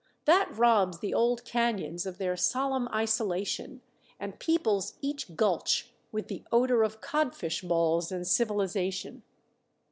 That robs the old canyons of their solemn isolation and peoples each gulch with the odor of codfish balls and civilization.